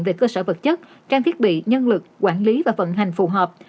về cơ sở vật chất trang thiết bị nhân lực quản lý và vận hành phù hợp